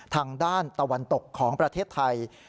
ทางด้านตะวันตกของประเทศไทย